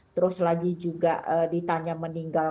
terus lagi juga ditanya meninggal